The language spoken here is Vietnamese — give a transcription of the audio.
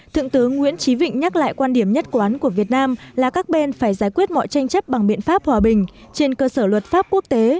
thượng tướng nguyễn trí vịnh nhắc lại quan điểm nhất quán của việt nam là các bên phải giải quyết mọi tranh chấp bằng biện pháp hòa bình trên cơ sở luật pháp quốc tế